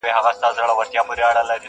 ستوري په آسمان کې ځلیږي.